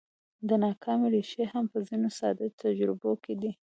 د ناکامۍ ريښې هم په ځينو ساده تجربو کې دي.